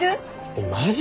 えっマジ！？